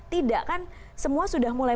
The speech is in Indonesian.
tidak kan semua sudah mulai